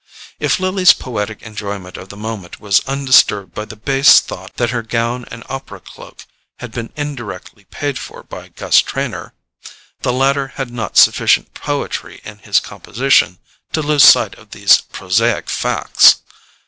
If Lily's poetic enjoyment of the moment was undisturbed by the base thought that her gown and opera cloak had been indirectly paid for by Gus Trenor, the latter had not sufficient poetry in his composition to lose sight of these prosaic facts.